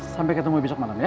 sampai ketemu besok malam ya